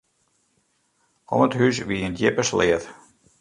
Om it hús wie in djippe sleat.